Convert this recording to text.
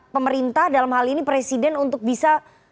pemerintah dalam hal ini presiden untuk bisa